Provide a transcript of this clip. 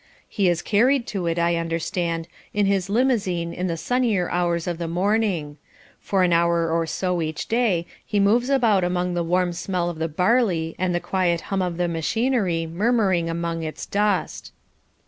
He is carried to it, I understand, in his limousine in the sunnier hours of the morning; for an hour or so each day he moves about among the warm smell of the barley and the quiet hum of the machinery murmuring among its dust.